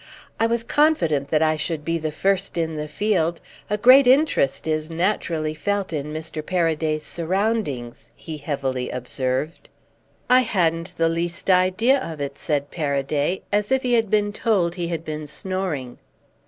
"I was confident that I should be the first in the field. A great interest is naturally felt in Mr. Paraday's surroundings," he heavily observed. "I hadn't the least idea of it," said Paraday, as if he had been told he had been snoring.